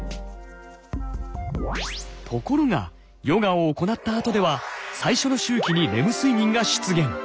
ところがヨガを行ったあとでは最初の周期にレム睡眠が出現。